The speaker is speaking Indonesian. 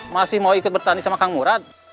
masih mau ikut bertani sama kang murad